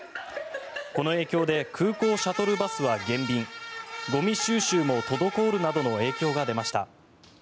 この影響で空港シャトルバスは減便ゴミ収集も滞るなどの影響が出ました。